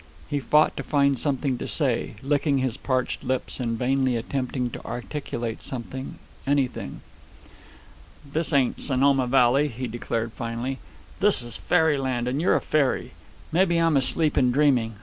He fought to find something to say, licking his parched lips and vainly attempting to articulate something, anything. "This ain't Sonoma Valley," he declared finally. "This is fairy land, and you're a fairy. Mebbe I'm asleep and dreaming.